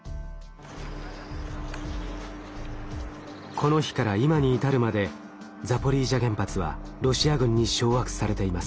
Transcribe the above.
この日から今に至るまでザポリージャ原発はロシア軍に掌握されています。